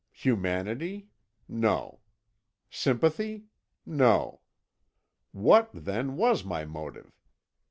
Humanity? No. Sympathy? No. What, then, was my motive?